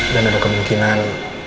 dan ada kemungkinan